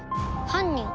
犯人。